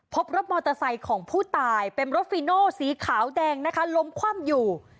พบรถมอเตอร์ไซค์ของผู้ตายเป็นรถฟีโนสีขาวแดงนะคะล้มคว่ำอยู่